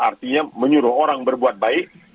artinya menyuruh orang berbuat baik